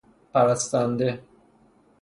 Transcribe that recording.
پرستنده